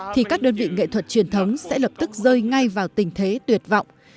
thì các đơn vị nghệ thuật truyền thống sẽ lập tức rơi ngay vào tình thế tuyệt vọng